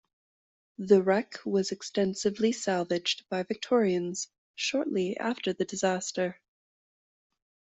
The wreck was extensively salvaged by Victorians shortly after the disaster.